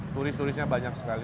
turis turisnya banyak sekali